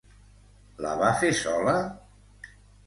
La va fer sola?